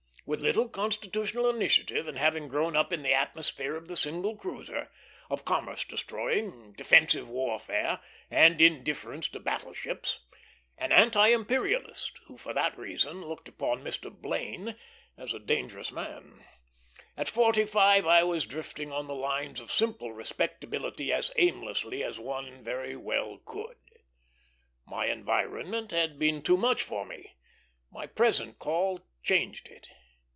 With little constitutional initiative, and having grown up in the atmosphere of the single cruiser, of commerce destroying, defensive warfare, and indifference to battle ships; an anti imperialist, who for that reason looked upon Mr. Blaine as a dangerous man; at forty five I was drifting on the lines of simple respectability as aimlessly as one very well could. My environment had been too much for me; my present call changed it.